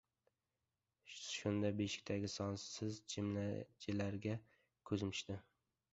Shunda, beshikdagi sonsiz jimjimalarga ko‘zim tushdi.